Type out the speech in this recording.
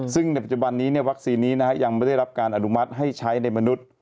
ซึ่งในปัจจุบันนี้วัคซีนนี้ยังไม่ได้รับการอนุมัติให้ใช้ในมนุษย์